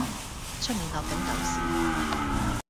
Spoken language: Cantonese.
出面落緊狗屎